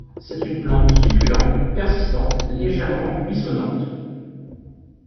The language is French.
C'est une plante succulente, persistante, légèrement buissonnante.